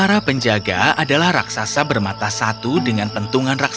dekat itu mereka menghadang pangeran dengan dari